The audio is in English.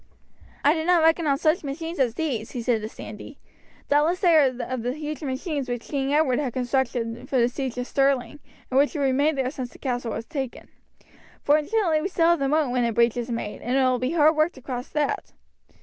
"I did not reckon on such machines as these," he said to Sandy. "Doubtless they are some of the huge machines which King Edward had constructed for the siege of Stirling, and which have remained there since the castle was taken. Fortunately we have still the moat when a breach is made, and it will be hard work to cross that."